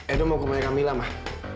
edo mau ke rumahnya kamila mah